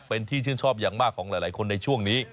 เป็นที่ชื่นชอบอย่างมากของหลายคนในช่วงนี้